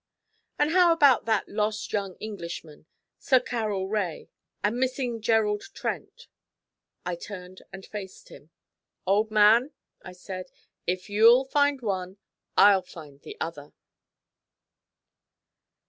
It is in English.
'And how about that lost young Englishman, Sir Carroll Rae, and missing Gerald Trent?' I turned and faced him. 'Old man,' I said, 'if you'll find one, I'll find the other.'